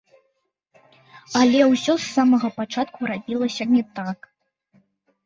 Але ўсё з самага пачатку рабілася не так.